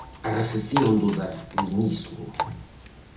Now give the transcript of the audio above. A recepción do darwinismo.